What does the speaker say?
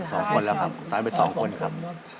สองคนแล้วครับตายไปสองคนครับ